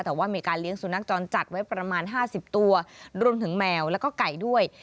แต่ว่ามีการเลี้ยงสุนัขจรจัดไว้ประมาณ๕๐ตัวรวมถึงแมวแล้วก็ไก่ด้วย